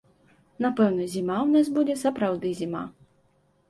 Напэўна, зіма ў нас будзе сапраўды зіма.